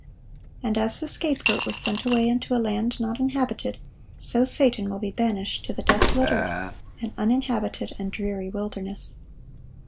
And as the scapegoat was sent away into a land not inhabited, so Satan will be banished to the desolate earth, an uninhabited and dreary wilderness.